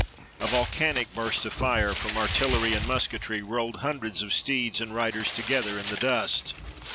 A volcanic burst of fire, from artillery and musketry, rolled hundreds of steeds and riders together in the dust.